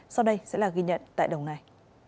sau đây sẽ là ghi nhận tại đồng nai